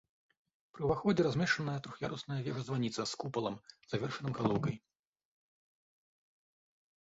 Пры ўваходзе размешчаная трох'ярусная вежа-званіца з купалам, завершаным галоўкай.